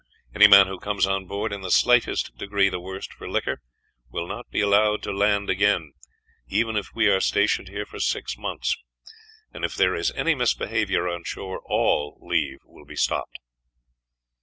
Any man who comes on board in the slightest degree the worse for liquor will not be allowed to land again, even if we are stationed here for six months; and if there is any misbehavior on shore, all leave will be stopped."